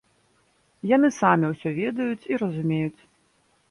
Яны самі ўсё ведаюць і разумеюць.